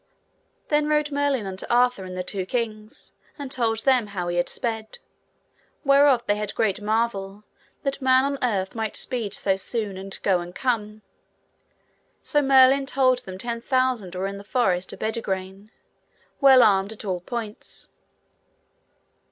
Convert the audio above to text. Then rode Merlin unto Arthur and the two kings, and told them how he had sped; whereof they had great marvel, that man on earth might speed so soon, and go and come. So Merlin told them ten thousand were in the forest of Bedegraine, well armed at all points.